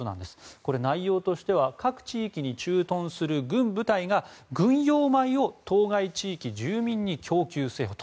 これは内容としては各地域に駐屯する軍部隊が軍用米を当該地域住民に供給せよと。